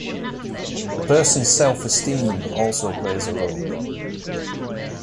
The person's self-esteem also plays a role.